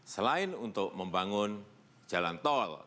selain untuk membangun jalan tol